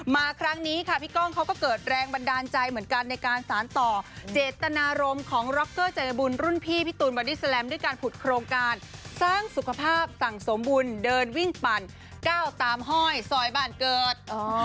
มาครั้งนี้ค่ะพี่ก้องเขาก็เกิดแรงบันดาลใจเหมือนกันในการสารต่อเจตนารมณ์ของร็อกเกอร์ใจบุญรุ่นพี่พี่ตูนบอดี้แลมด้วยการผุดโครงการสร้างสุขภาพสั่งสมบุญเดินวิ่งปั่นก้าวตามห้อยซอยบ้านเกิด